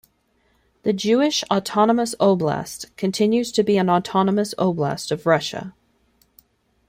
The Jewish Autonomous Oblast continues to be an Autonomous Oblast of Russia.